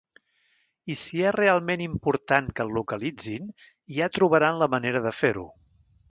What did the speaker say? I si és realment important que et localitzin ja trobaran la manera de fer-ho.